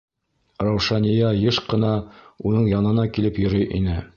Раушания йыш ҡына уның янына килеп йөрөй ине.